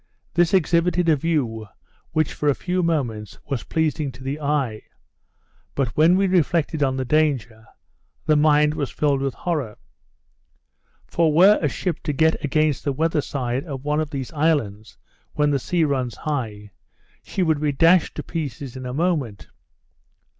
This exhibited a view which for a few moments was pleasing to the eye; but when we reflected on the danger, the mind was filled with horror. For were a ship to get against the weather side of one of these islands when the sea runs high, she would be dashed to pieces in a moment.